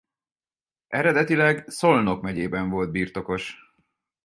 Eredetileg Szolnok megyében volt birtokos.